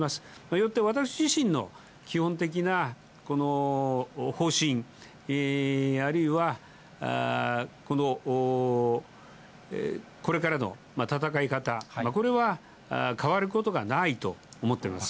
よって私自身の基本的な方針、あるいはこれからの戦い方、これは変わることはないと思っております。